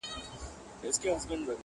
قاسم یار او د نشې یې سره څه